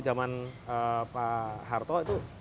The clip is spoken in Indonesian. zaman pak harto itu